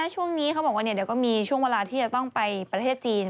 ช่วงนี้เขาบอกว่าเดี๋ยวก็มีช่วงเวลาที่จะต้องไปประเทศจีน